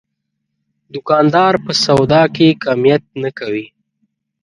دوکاندار په سودا کې کمیت نه کوي.